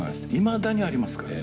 いまだにありますからね。